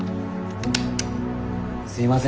すいません。